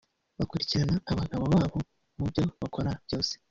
Bakurikirana abagabo babo mu byo bakora byose